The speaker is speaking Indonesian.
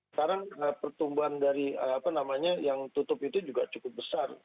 sekarang pertumbuhan dari apa namanya yang tutup itu juga cukup besar